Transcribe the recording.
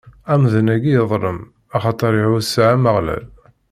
Amdan-agi yeḍlem, axaṭer iɛuṣa Ameɣlal.